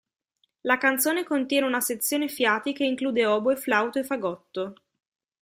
La canzone contiene una sezione fiati che include oboe, flauto, e fagotto.